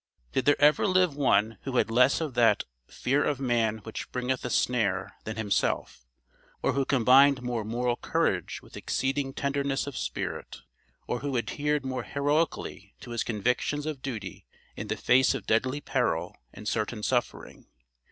Did there ever live one who had less of that "fear of man which bringeth a snare," than himself? Or who combined more moral courage with exceeding tenderness of spirit? Or who adhered more heroically to his convictions of duty in the face of deadly peril and certain suffering?